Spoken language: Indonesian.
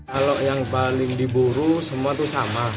kalau yang paling diburu semua itu sama